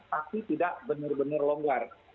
tapi tidak benar benar longgar